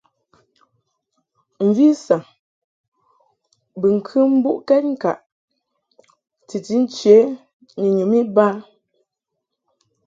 Mvi saŋ bɨŋkɨ mbuʼkɛd ŋkaʼ titi nche ni nyum iba.